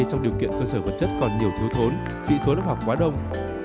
trong điều kiện cơ sở vật chất còn nhiều thiếu thốn sĩ số lớp học quá đông